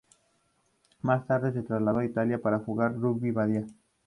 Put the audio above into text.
Más tarde se trasladó a Italia para jugar con Rugby Badia.